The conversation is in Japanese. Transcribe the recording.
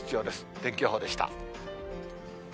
天気予報でした。